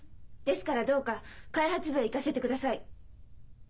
ですからどうか開発部へ行かせてください。